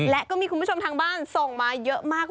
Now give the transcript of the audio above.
และก็มีคุณผู้ชมทางบ้านส่งมาเยอะมาก